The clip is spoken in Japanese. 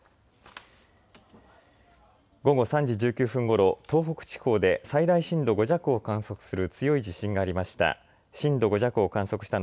午後３時１９分ごろ東北地方で最大震度５弱を観測する強い地震がありました。